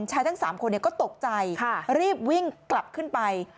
ทั้ง๓คนก็ตกใจรีบวิ่งกลับขึ้นไป